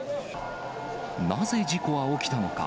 なぜ事故は起きたのか。